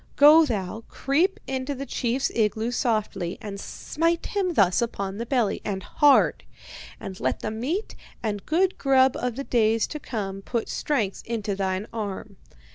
Go thou, creep into the chief's igloo softly, and smite him thus upon the belly, and hard. And let the meat and good grub of the days to come put strength into thine arm.